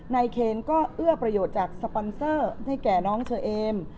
เคนก็เอื้อประโยชน์จากสปอนเซอร์ให้แก่น้องเชอเอม